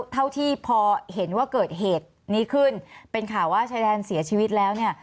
เท่าที่พอเห็นว่าเกิดเหตุนี้ขึ้นเป็นข่าวว่าชายแดนเสียชีวิตแล้วเนี่ย